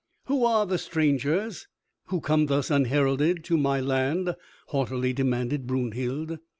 "Who are the strangers who come thus unheralded to my land?" haughtily demanded Brunhild.